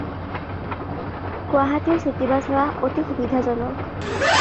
গুৱাহাটীৰ city bus সেৱা অতি সুবিধাজনক।